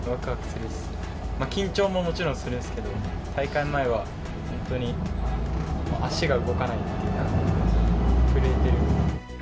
緊張ももちろんするんですけど、大会前は、本当に足が動かないっていうか、震えている。